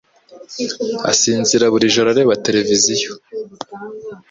asinzira buri joro areba televiziyo